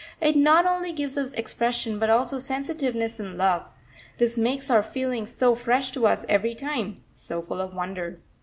It not only gives us expression, but also sensitiveness and love; this makes our feelings so fresh to us every time, so full of wonder.